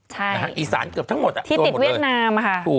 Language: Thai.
ใช่ทางอีสานเกือบทั้งหมดโดนหมดเลยถูกที่ติดเวียดนามค่ะ